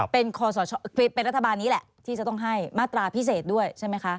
เป็นรัฐบาลนี้แหละที่จะต้องให้มาตราพิเศษด้วยใช่ไหมคะ